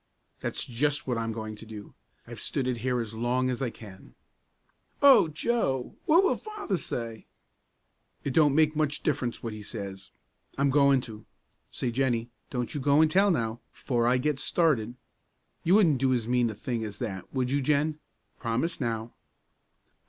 "That's just what I am going to do. I've stood it here as long as I can." "O Joe! what'll Father say?" "It don't make much difference what he says. I'm goin' to say, Jennie! don't you go and tell now, 'fore I get started. You wouldn't do as mean a thing as that, would you, Jen? Promise now!"